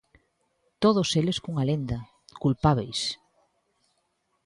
Todos eles cunha lenda: culpábeis.